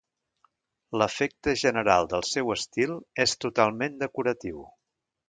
L'efecte general del seu estil és totalment decoratiu.